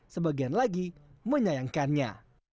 sebagian lagi menyayangkannya